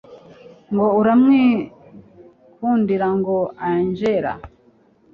ngo aramwikundira ngo angella